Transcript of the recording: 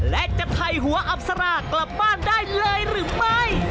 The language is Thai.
และจะไถหัวอับสารากลับบ้านได้เลยหรือไม่